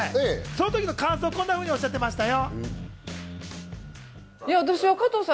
そのときの感想をこんなふうにおっしゃってましたよ。